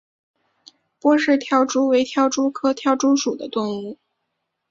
波氏跳蛛为跳蛛科跳蛛属的动物。